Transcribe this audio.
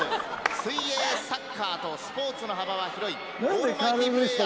水泳サッカーとスポーツの幅は広いオールマイティープレーヤー